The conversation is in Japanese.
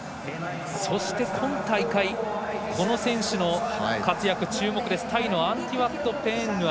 そして今大会この選手の活躍注目です、タイのアティワット・ペーンヌア。